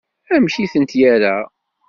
Amek i tent-yerra?